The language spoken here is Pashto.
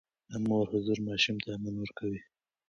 د مور حضور ماشوم ته امن ورکوي.